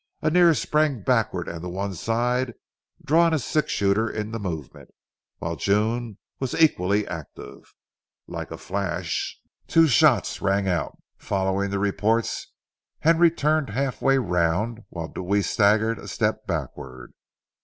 Annear sprang backward and to one side, drawing a six shooter in the movement, while June was equally active. Like a flash, two shots rang out. Following the reports, Henry turned halfway round, while Deweese staggered a step backward.